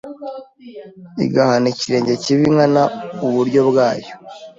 igahana ikirenge kibi nkana uburyo bwayo